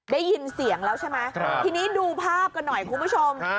ได้ยินเสียงแล้วใช่ไหมทีนี้ดูภาพกันหน่อยคุณผู้ชม